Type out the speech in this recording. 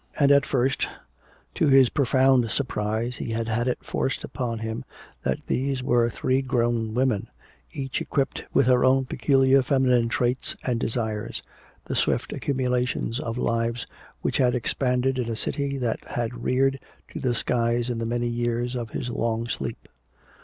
And at first to his profound surprise he had had it forced upon him that these were three grown women, each equipped with her own peculiar feminine traits and desires, the swift accumulations of lives which had expanded in a city that had reared to the skies in the many years of his long sleep.